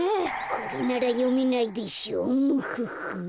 これならよめないでしょムフフ。